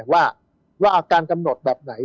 ว่าการกำหนดแบบไหน